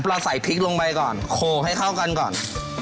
เราใส่พริกลงไปก่อนโขกให้เข้ากันก่อน